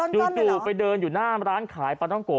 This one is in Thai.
อยู่ไปเดินอยู่หน้าร้านขายปลาท้องโกะ